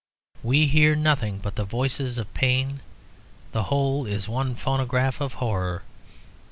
We hear nothing but the voices of pain; the whole is one phonograph of horror.